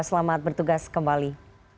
selamat bertugas kembali